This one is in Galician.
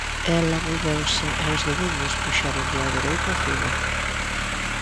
Ela volveuse e os dediños puxéronlle ó dereito a figa.